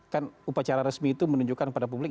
kan upacara resmi itu menunjukkan kepada publik